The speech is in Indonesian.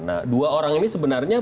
nah dua orang ini sebenarnya